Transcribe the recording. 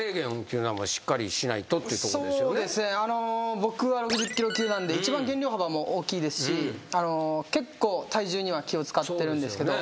僕は６０キロ級なんで一番減量幅も大きいですし結構体重には気を使ってるんですけど。